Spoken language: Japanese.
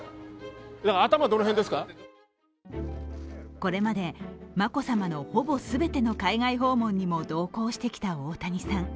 これまで眞子さまのほぼ全ての海外訪問にも同行してきた大谷さん。